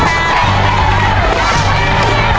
อันซ่อน